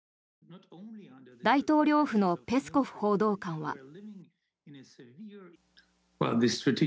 大統領府のペスコフ報道官は。